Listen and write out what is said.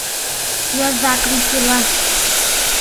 Йозакым тӱлаш.